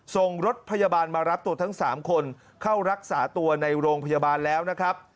ส่งรถพยาบาลมารับตัวทั้ง๓คนเข้ารักษาตัวในโรงพยาบาลแล้วนะครับ